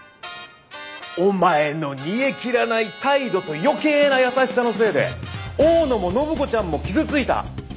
お前の煮えきらない態度と余計な優しさのせいで大野も暢子ちゃんも傷ついた。